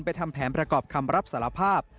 ทำแผนประกอบคำรับสารภาพ